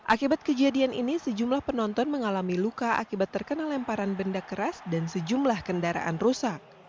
akibat kejadian ini sejumlah penonton mengalami luka akibat terkena lemparan benda keras dan sejumlah kendaraan rusak